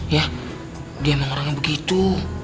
ya dia emang orangnya begitu